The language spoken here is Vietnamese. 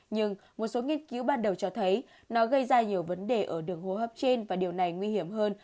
nhưng một số nghiên cứu ban đầu cho thấy nó gây ra nhiều vấn đề ở đường hô hấp trên và điều này nguy hiểm hơn